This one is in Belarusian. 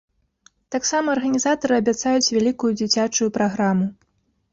Таксама арганізатары абяцаюць вялікую дзіцячую праграму.